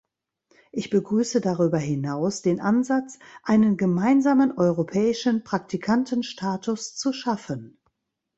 Ich begrüße darüber hinaus den Ansatz, einen gemeinsamen europäischen Praktikantenstatus zu schaffen.